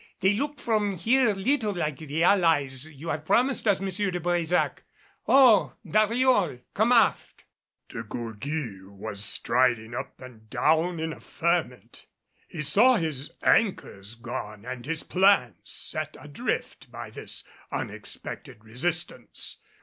They look from here little like the allies you have promised us, M. de Brésac. Ho! Dariol, come aft!" De Gourgues was striding up and down in a ferment. He saw his anchors gone and his plans set adrift by this unexpected resistance.